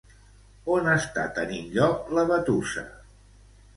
On està tenint lloc la batussa?